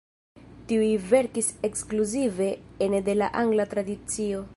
Tiuj verkis ekskluzive ene de la angla tradicio.